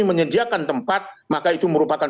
menyediakan tempat maka itu merupakan